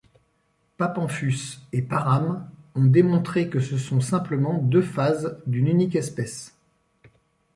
Papenfuss et Parham ont démontré que ce sont simplement deux phases d'une unique espèce.